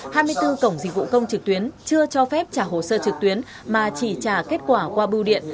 hai mươi bốn cổng dịch vụ công trực tuyến chưa cho phép trả hồ sơ trực tuyến mà chỉ trả kết quả qua bưu điện